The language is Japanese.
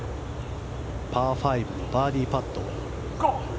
パー５、バーディーパット。